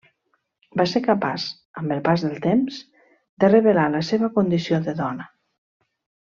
Va ser capaç, amb el pas del temps, de revelar la seva condició de dona.